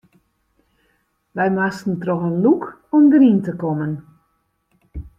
Wy moasten troch in lûk om deryn te kommen.